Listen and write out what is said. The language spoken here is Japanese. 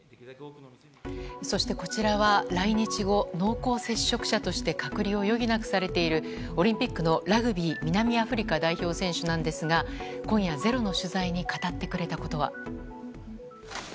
そして、こちらは来日後濃厚接触者として隔離を余儀なくされているオリンピックのラグビー南アフリカ代表選手なんですが今夜「ｚｅｒｏ」の取材に語ってくれたことは。